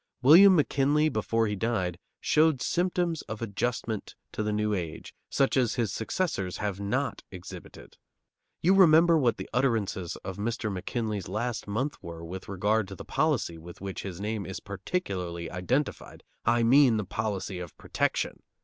William McKinley, before he died, showed symptoms of adjustment to the new age such as his successors have not exhibited. You remember what the utterances of Mr. McKinley's last month were with regard to the policy with which his name is particularly identified; I mean the policy of "protection."